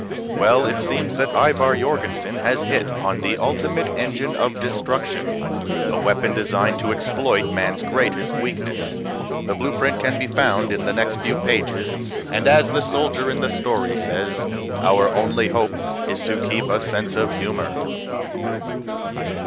_ _Well, it seems that Ivar Jorgensen has hit on the ultimate engine of destruction: a weapon designed to exploit man's greatest weakness. The blueprint can be found in the next few pages; and as the soldier in the story says, our only hope is to keep a sense of humor!